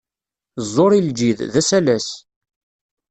Ẓẓur i lǧid, d asalas.